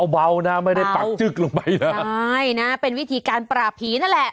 เบานะไม่ได้ปักจึ๊กลงไปนะใช่นะเป็นวิธีการปราบผีนั่นแหละ